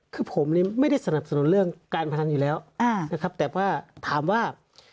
คือผมนี่ไม่ได้สนับสนุนเรื่องการพนันอยู่แล้วนะครับแต่ว่าถามว่า